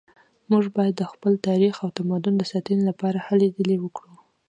موږ باید د خپل تاریخ او تمدن د ساتنې لپاره هلې ځلې وکړو